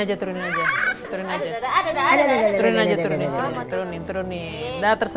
amin ya allah